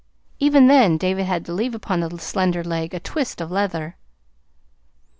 Even then David had to leave upon the slender leg a twist of leather.